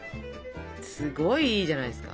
すごいいいじゃないですか。